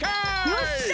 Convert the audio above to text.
よっしゃ！